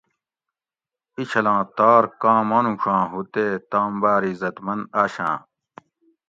ایچھلاں تار کاں مانوڄاں ھو تے تام باۤر عزتمند آشاۤں